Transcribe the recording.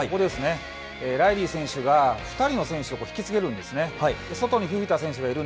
ここですね、ライリー選手が２人の選手を引きつけるんですね。